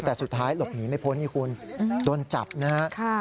แต่สุดท้ายหลบหนีไม่พ้นนี่คุณโดนจับนะฮะ